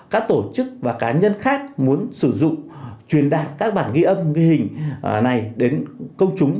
các tổ chức và cá nhân khác muốn sử dụng truyền đạt các bản ghi âm ghi hình này đến công chúng